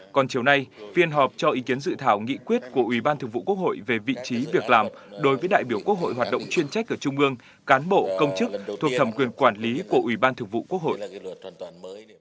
còn chiều nay phiên họp cho ý kiến dự thảo nghị quyết của ủy ban thường vụ quốc hội về vị trí việc làm đối với đại biểu quốc hội hoạt động chuyên trách ở trung ương cán bộ công chức thuộc thẩm quyền quản lý của ủy ban thường vụ quốc hội